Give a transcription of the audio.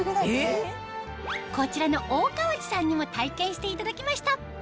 こちらの大川内さんにも体験していただきました